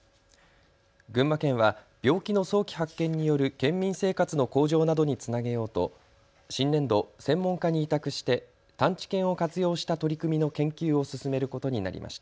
群馬県は病気の早期発見による県民生活の向上などにつなげようと新年度、専門家に委託して探知犬を活用した取り組みの研究を進めることになりました。